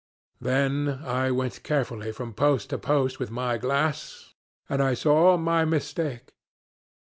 Then I went carefully from post to post with my glass, and I saw my mistake.